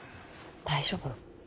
大丈夫？